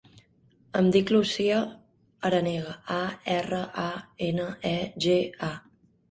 Em dic Lucía Aranega: a, erra, a, ena, e, ge, a.